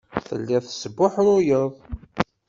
Telliḍ tesbuḥruyeḍ.